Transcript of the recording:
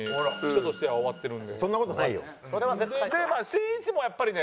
しんいちもやっぱりね